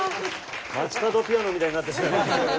街角ピアノみたいになってしまいましたね。